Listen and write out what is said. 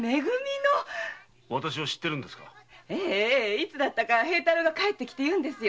いつだったか平太郎が帰って来て言うんですよ。